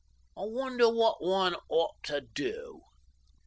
I wonder what one ought to do?"